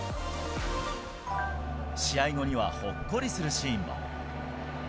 試合後にはほっこりするシーンも。